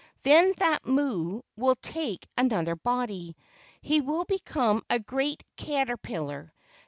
Then that mo o will take another body. He will become a great cater¬ pillar.